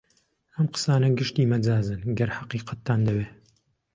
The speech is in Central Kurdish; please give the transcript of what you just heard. ئەم قسانە گشتی مەجازن گەر حەقیقەتتان دەوێ